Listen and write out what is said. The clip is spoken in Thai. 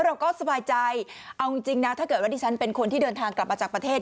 เราก็สบายใจเอาจริงนะถ้าเกิดว่าดิฉันเป็นคนที่เดินทางกลับมาจากประเทศ